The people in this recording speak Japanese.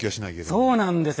そうなんですよ。